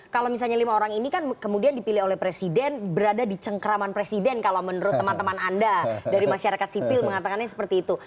kalau misalnya lima orang ini kan kemudian dipilih oleh presiden berada di cengkeraman presiden kalau menurut teman teman anda dari masyarakat sipil mengatakannya seperti itu